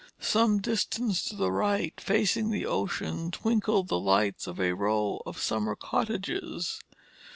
Some distance to the right, facing the ocean twinkled the lights of a row of summer cottages.